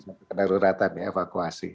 kena daruratan evakuasi